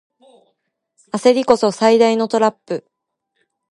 焦りこそ最大のトラップ